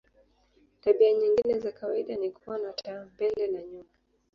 Tabia nyingine za kawaida ni kuwa na taa mbele na nyuma.